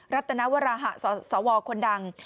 รับตนวรหสวคนดัง